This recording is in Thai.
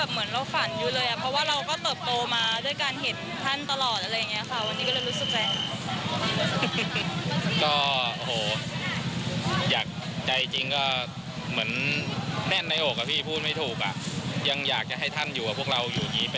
ห้องดดอบแบบหนึ่งแต่ว่าการเก็บขยะแล้วแล้วค่ะ